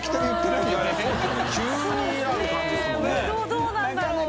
どうなんだろう？